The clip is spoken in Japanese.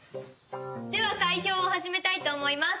では開票を始めたいと思います。